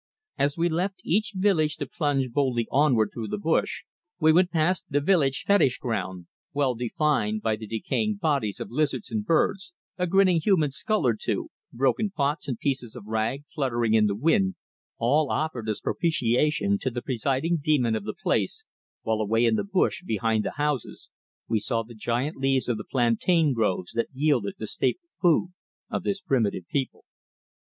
As we left each village to plunge boldly onward through the bush we would pass the village fetish ground, well defined by the decaying bodies of lizards and birds, a grinning human skull or two, broken pots and pieces of rag fluttering in the wind, all offered as propitiation to the presiding demon of the place, while away in the bush, behind the houses, we saw the giant leaves of the plantain groves that yielded the staple food of this primitive people.